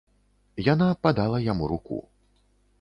Яна падала яму руку.